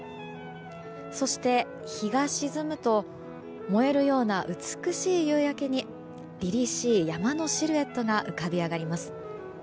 そして、日が沈むと燃えるような美しい夕焼けに凛々しい山のシルエットが浮かび上がります。